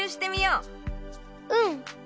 うん。